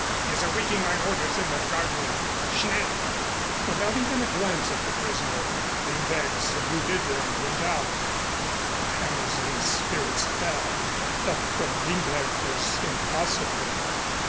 He is awaiting my orders in the guard room. Schnell." Without even a glance at the prisoner Lindberg saluted and went out and Hammersley's spirits fell. Help from Lindberg was impossible.